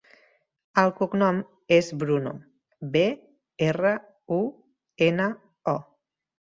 El cognom és Bruno: be, erra, u, ena, o.